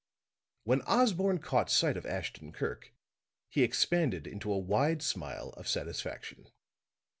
When Osborne caught sight of Ashton Kirk he expanded into a wide smile of satisfaction.